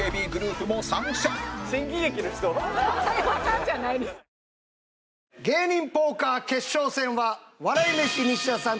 あなたも芸人ポーカー決勝戦は笑い飯西田さん